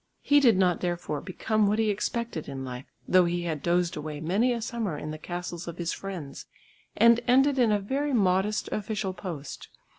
He did not therefore become what he expected in life though he had dozed away many a summer in the castles of his friends, and ended in a very modest official post.